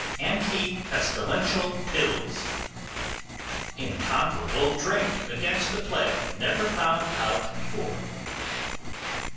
'Anti pestilential pills.' 'Incomparable drink against the plague, never found out before.